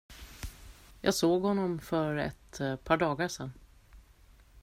Jag såg honom för ett par dagar sen.